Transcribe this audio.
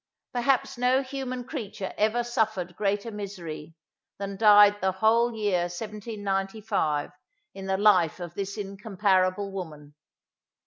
Perhaps no human creature ever suffered greater misery, than dyed the whole year 1795, in the life of this incomparable woman.